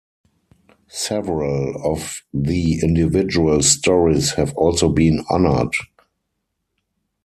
Several of the individual stories have also been honored.